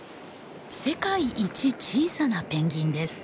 世界一小さなペンギンです。